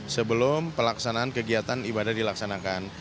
sebelum pelaksanaan kegiatan ibadah dilaksanakan